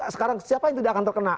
sekarang siapa yang tidak akan terkena